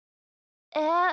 えっ？